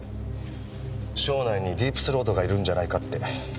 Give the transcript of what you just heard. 省内にディープ・スロートがいるんじゃないかって。